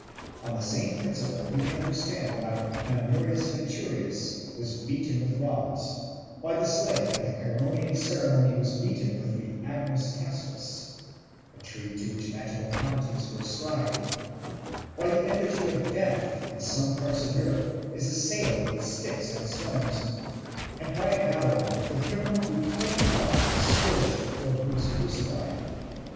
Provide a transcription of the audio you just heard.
On the same principle we can understand why Mamurius Veturius was beaten with rods, why the slave at the Chaeronean ceremony was beaten with the agnus castus (a tree to which magical properties were ascribed), why the effigy of Death in some parts of Europe is assailed with sticks and stones, and why at Babylon the criminal who played the god scourged before he was crucified.